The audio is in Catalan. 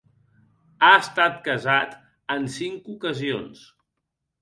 Ha estat casat en cinc ocasions.